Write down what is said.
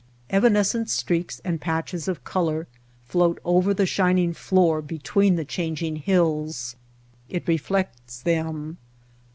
Evanescent streaks and patches of color float over the shining floor between the changing hills. It reflects them.